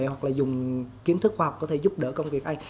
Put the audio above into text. hoặc là dùng kiến thức khoa học có thể giúp đỡ công việc ai